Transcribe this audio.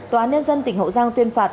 tòa án nhân dân tỉnh hậu giang tuyên phạt